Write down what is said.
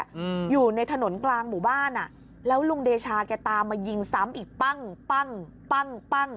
อืมอยู่ในถนนกลางหมู่บ้านอ่ะแล้วลุงเดชาแกตามมายิงซ้ำอีกปั้งปั้งปั้งปั้ง